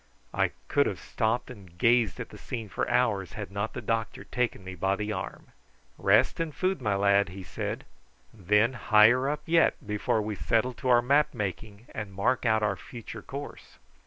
I could have stopped and gazed at the scene for hours had not the doctor taken me by the arm. "Rest and food, my lad," he said; "and then higher up yet before we settle to our map making and mark out our future course."